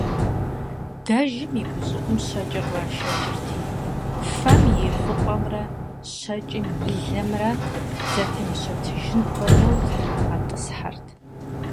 Дэжым и гущӀыӀум щэкӀыр кърашэкӀырти, фэм и фӀыпӀэмрэ щэкӀым и лэмрэ зэтемыщэтыжын хуэдэу зэтрагъэтӀысхьэрт.